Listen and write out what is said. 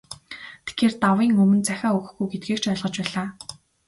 Тэгэхээр, давын өмнө захиа өгөхгүй гэдгийг ч ойлгож байлаа.